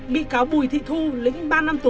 bị cáo bùi thị thu lĩnh ba năm tù